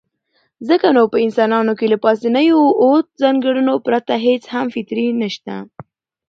ځکه نو په انسانانو کې له پاسنيو اووو ځانګړنو پرته هېڅ هم فطري نشته.